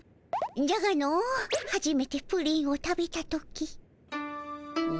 じゃがのはじめてプリンを食べた時。